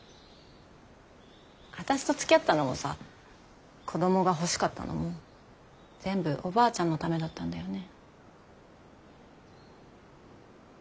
私とつきあったのもさ子どもが欲しかったのも全部おばあちゃんのためだったんだよね。